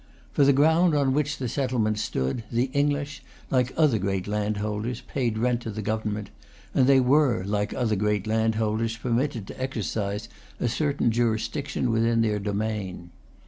For the ground on which the settlement stood, the English, like other great landholders, paid rent to the Government; and they were, like other great landholders, permitted to exercise a certain jurisdiction within their domain.